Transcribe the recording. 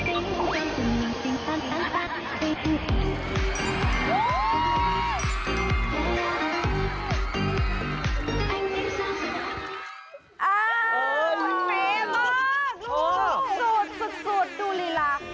แต่กุ๊กจังหวานกับเป๊ะและปลิว